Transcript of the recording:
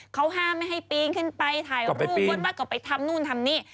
เขาห้ามไม่ให้ปีนขึ้นไปถ่ายรูปบนวัดก็ไปทำนู่นทำนี่